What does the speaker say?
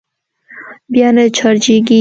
بيا نه چارجېږي.